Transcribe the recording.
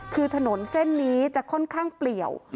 คือถนนเส้นนี้จะค่อนข้างเปลี่ยว